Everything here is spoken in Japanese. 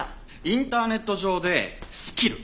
インターネット上でスキル